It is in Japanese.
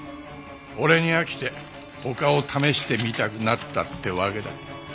俺に飽きて他を試してみたくなったってわけだ。